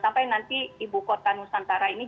sampai nanti ibu kota nusantara ini